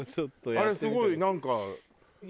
あれすごいなんか。